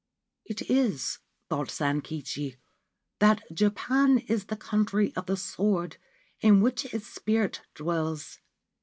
' It is said,' thought Sankichi, ' that Japan is the country of the sword, in which its spirit dwells.